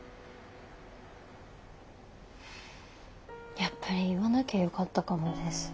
やっぱり言わなきゃよかったかもです。